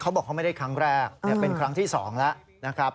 บอกเขาไม่ได้ครั้งแรกเป็นครั้งที่๒แล้วนะครับ